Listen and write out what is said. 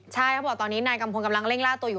ใช่เขาบอกตอนนี้นายกัมพลกำลังเร่งล่าตัวอยู่